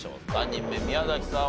３人目宮崎さん